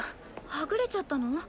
はぐれちゃったの？